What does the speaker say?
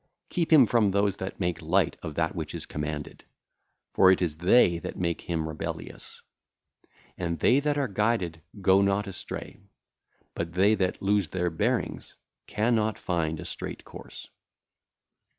Keep him from those that make light of that which is commanded, for it is they that make him rebellious. And they that are guided go not astray, but they that lose their bearings cannot find a straight course.